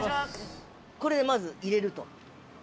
「これまず入れると」